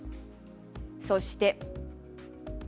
そして。